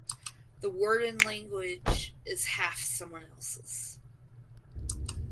The word in language is half someone else’s.